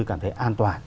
cảm thấy an toàn